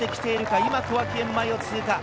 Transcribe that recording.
今、小涌園前を通過。